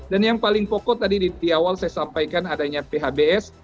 dan yang paling pokok tadi di awal saya sampaikan adanya phbs